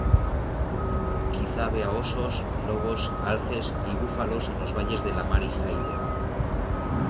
Quizá vea osos, lobos, alces y búfalos en los valles de Lamar y Hayden.